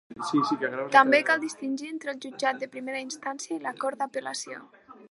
També cal distingir entre el Jutjat de Primera Instància i la Cort d'Apel·lació.